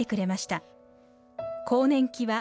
更年期は「＃